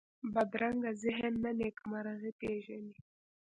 بدرنګه ذهن نه نېکمرغي پېژني